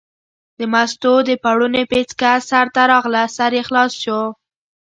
د مستو د پړوني پیڅکه سر ته راغله، سر یې خلاص شو.